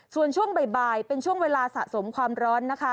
ส่วนช่วงบ่ายเป็นช่วงเวลาสะสมความร้อนนะคะ